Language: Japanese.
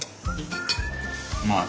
うまい。